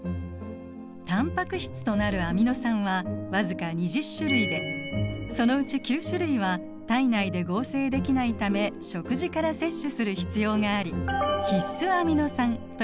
タンパク質となるアミノ酸は僅か２０種類でそのうち９種類は体内で合成できないため食事から摂取する必要があり必須アミノ酸と呼ばれています。